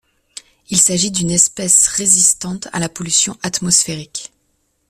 Il s'agit d'une espèce résistante à la pollution atmosphérique.